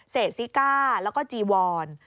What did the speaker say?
ซิก้าแล้วก็จีวอน